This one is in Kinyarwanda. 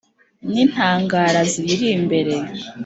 n'intagara ziyiri imbere